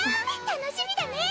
楽しみだね。